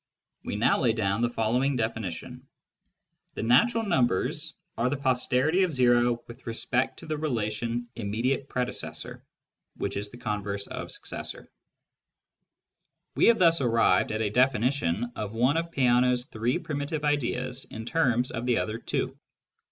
We now lay down the following definition :— The " natural numbers " are the posterity of o with respect to the rimiuue ana iviamemancai induction 23 relation " immediate predecessor " (which is the converse of " successor "). We have thus arrived at a definition of one of Peano's three primitive ideas in terms of the other two.